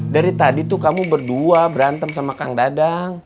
dari tadi tuh kamu berdua berantem sama kang dadang